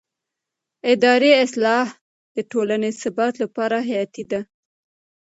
اداري اصلاح د ټولنې ثبات لپاره حیاتي دی